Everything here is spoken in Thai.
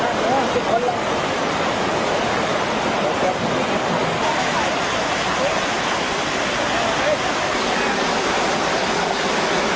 ินเทนมัวให้ตัดออกการแกร่งศึกตัด